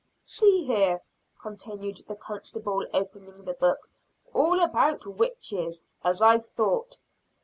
"See here!" continued the constable, opening the book, "All about witches, as I thought!